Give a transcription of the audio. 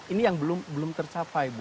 ini yang belum tercapai